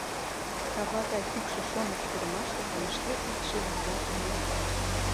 Кава гай кӱкшӧ шоныш-пӱрымаш дек Ме шке икшыве-влакым нӧлтена.